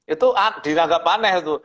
itu dianggap aneh itu